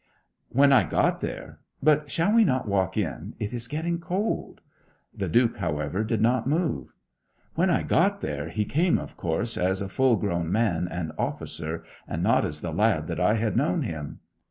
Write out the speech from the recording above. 'When I got there but shall we not walk on; it is getting cold?' The Duke, however, did not move. 'When I got there he came, of course, as a full grown man and officer, and not as the lad that I had known him.